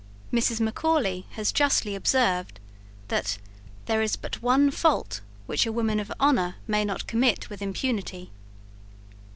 Mrs. Macaulay has justly observed, that "there is but one fault which a woman of honour may not commit with impunity."